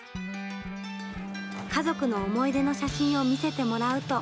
家族の思い出の写真を見せてもらうと。